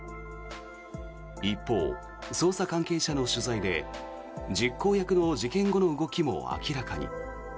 一方、捜査関係者への取材で実行役の事件後の動きも明らかに。